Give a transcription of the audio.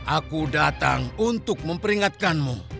aku datang untuk memperingatkanmu